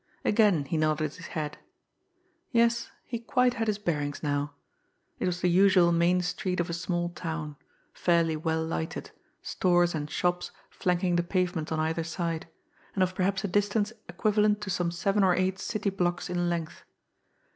Again he nodded his head. Yes, he quite had his bearings now. It was the usual main street of a small town fairly well lighted, stores and shops flanking the pavements on either side, and of perhaps a distance equivalent to some seven or eight city blocks in length.